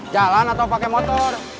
jalan atau pake motor